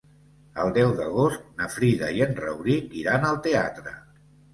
El deu d'agost na Frida i en Rauric iran al teatre.